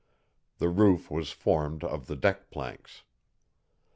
The roof was formed of the deck planks.